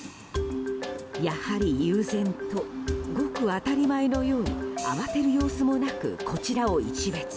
やはり悠然とごく当たり前のように慌てる様子もなくこちらを一瞥。